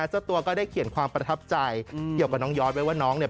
เจ้าตัวก็ได้เขียนความประทับใจเดี๋ยวกับน้องยอดที่เพื่อนน้องเป็นคน